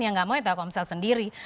yang nggak mau ya telkomsel sendiri